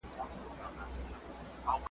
څیړونکې وايي لږ ورزش د هیڅ ورزش نه بهتره دی.